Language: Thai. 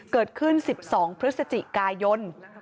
เกิดขึ้น๑๒พฤศจิกายน